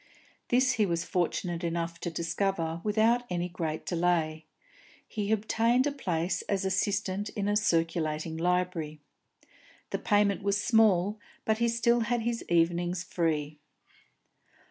This he was fortunate enough to discover without any great delay; he obtained a place as assistant in a circulating library. The payment was small, but he still had his evenings free.